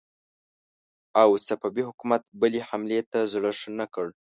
او صفوي حکومت بلې حملې ته زړه ښه نه کړ.